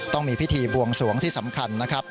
ต้องมีพิธีบวงสวงที่สำคัญนะครับ